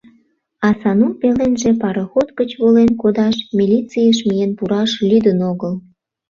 А Сану пеленже пароход гыч волен кодаш, милицийыш миен пураш лӱдын огыл.